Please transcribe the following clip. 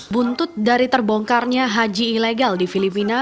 buntut dari terbongkarnya haji ilegal di filipina